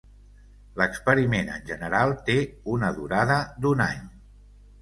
L'experiment en general té una durada d'un any.